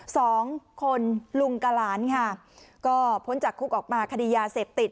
สองคนลุงกับหลานค่ะก็พ้นจากคุกออกมาคดียาเสพติด